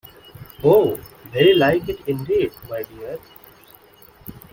Oh, very like it indeed, my dear!